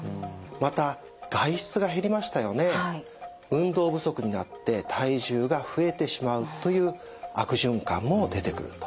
運動不足になって体重が増えてしまうという悪循環も出てくると。